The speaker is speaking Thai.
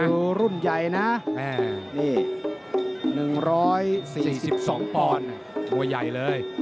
รุ่นใหญ่นะนี่๑๔๒ปอนด์ตัวใหญ่เลย